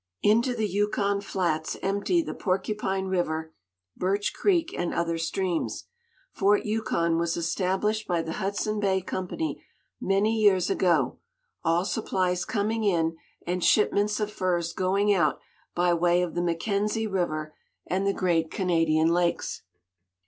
Into the Yukon Flats empty the Porcupine River, Birch Creek and other streams. Fort Yukon was established by the Hudson Bay Company many years ago, all supplies coming in and shipments of furs going out by way of the McKensie River and the great Canadian Lakes.